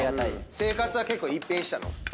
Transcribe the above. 生活は結構一変したの？